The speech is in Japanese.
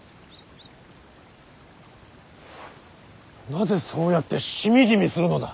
なぜそうやってしみじみするのだ。